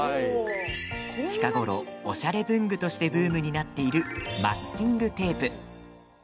近頃、おしゃれ文具としてブームになっているマスキングテープ。